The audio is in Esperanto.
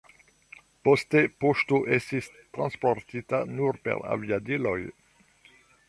Poste poŝto estis transportita nur per aviadiloj.